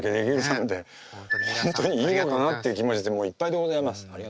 本当にいいのかなっていう気持ちでいっぱいでございます。